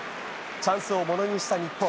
チャンスをものにした日本。